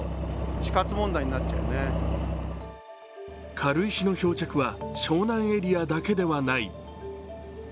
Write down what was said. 軽石の漂着は湘南エリアだけではない。